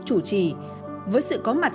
chủ trì với sự có mặt